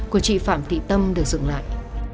của chị phạm thị tâm được dựng lại